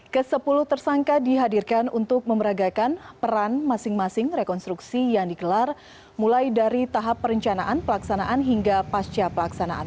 ke sepuluh tersangka dihadirkan untuk memeragakan peran masing masing rekonstruksi yang dikelar mulai dari tahap perencanaan pelaksanaan hingga pasca pelaksanaan